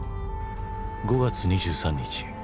「５月２３日」